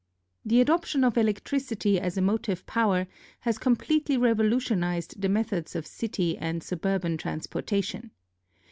The adoption of electricity as a motive power has completely revo lutionized the methods of city and suburban transportation.